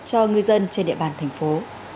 cho ngư dân trên địa bàn thành phố